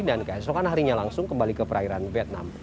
dan keesokan harinya langsung kembali ke perairan vietnam